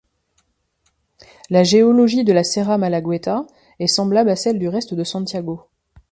La géologie de la Serra Malagueta est semblable à celle du reste de Santiago.